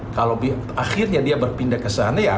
kalau akhirnya dia berpindah ke sana ya